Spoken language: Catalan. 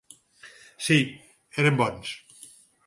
Sí, eren bons.